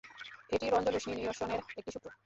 এটি রঞ্জন-রশ্মি নিঃসরণের একটি সূত্র।